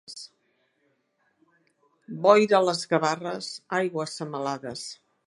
Boira a les Gavarres, aigua a semalades.